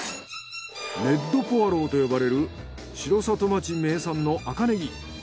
レッドポアローと呼ばれる城里町名産の赤ネギ。